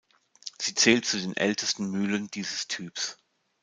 Sie zählt zu den ältesten Mühlen dieses Typs.